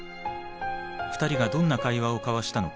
２人がどんな会話を交わしたのか